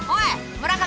村上